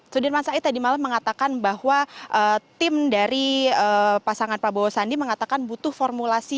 sudirman said tadi malam mengatakan bahwa tim dari pasangan prabowo sandi mengatakan butuh formulasi